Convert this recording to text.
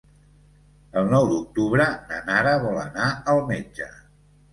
El nou d'octubre na Nara vol anar al metge.